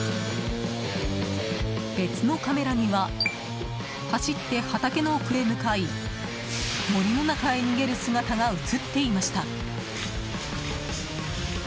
別のカメラには走って畑の奥へ向かい森の中へ逃げる姿が映っていました。